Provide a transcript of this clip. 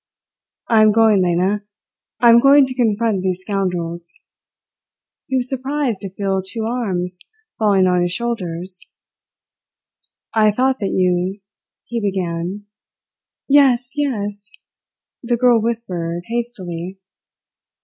"I am going, Lena. I am going to confront these scoundrels." He was surprised to feel two arms falling on his shoulders. "I thought that you " he began. "Yes, yes!" the girl whispered hastily.